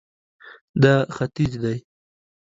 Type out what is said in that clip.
دا ختیځ دی